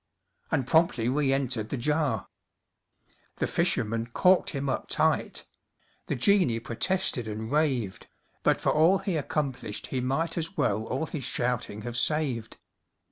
And promptly reëntered the jar. The fisherman corked him up tight: The genie protested and raved, But for all he accomplished, he might As well all his shouting have saved.